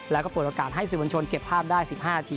แล้วก็เปิดโอกาสให้สื่อมวลชนเก็บภาพได้๑๕นาที